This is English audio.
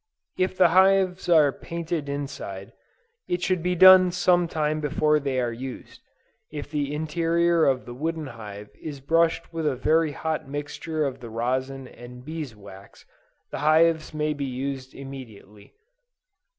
If the hives are painted inside, it should be done sometime before they are used. If the interior of the wooden hive is brushed with a very hot mixture of the rosin and bees wax, the hives may be used immediately.